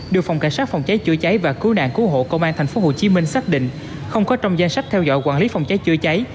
điều phòng cảnh sát phòng cháy chữa cháy và cố nạn cứu hộ công an thành phố hồ chí minh xác định không có trong danh sách theo dõi quản lý phòng cháy chữa cháy